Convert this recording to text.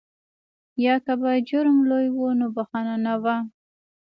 یا که به جرم لوی و نو بخښنه نه وه.